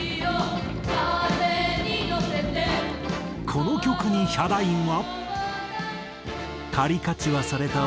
この曲にヒャダインは。